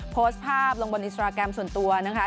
โพสต์ภาพลงบนอินสตราแกรมส่วนตัวนะคะ